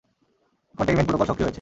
Containment protocol সক্রিয় হয়েছে।